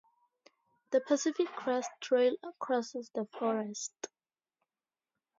The Pacific Crest Trail crosses the forest.